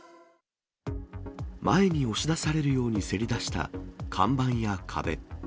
前に押し出されるようにせり出した看板や壁。